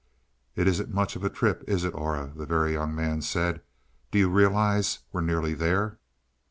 "It isn't much of a trip, is it, Aura?" the Very Young Man said. "Do you realize, we're nearly there?"